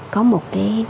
có một cái dịch